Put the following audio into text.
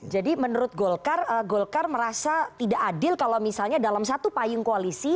jadi menurut golkar golkar merasa tidak adil kalau misalnya dalam satu payung koalisi